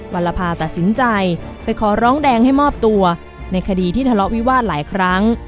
ลภาตัดสินใจไปขอร้องแดงให้มอบตัวในคดีที่ทะเลาะวิวาสหลายครั้ง